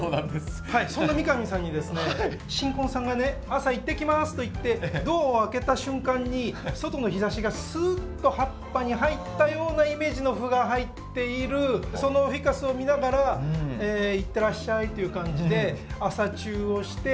朝「いってきます」と言ってドアを開けた瞬間に外の日ざしがスーッと葉っぱに入ったようなイメージの斑が入っているそのフィカスを見ながらいってらっしゃいという感じで朝チューをして。